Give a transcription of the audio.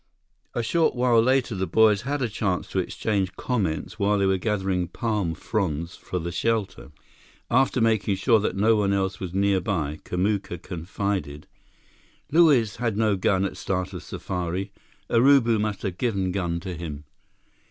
A short while later, the boys had a chance to exchange comments while they were gathering palm fronds for the shelter. After making sure that no one else was nearby, Kamuka confided: "Luiz had no gun at start of safari. Urubu must have given gun to him."